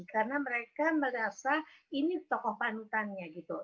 karena mereka merasa ini tokoh panutannya gitu